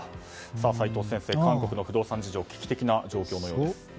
齋藤先生、韓国の不動産事情は危機的な状況のようです。